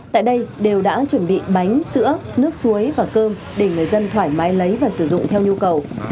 tại đây đều đã chuẩn bị bánh sữa nước suối và cơm để người dân thoải mái lấy và sử dụng theo nhu cầu